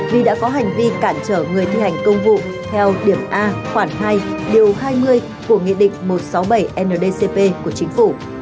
vì đã có hành vi cản trở người thi hành công vụ theo điểm a khoảng hai điều hai mươi của nghị định một trăm sáu mươi bảy ndcp của chính phủ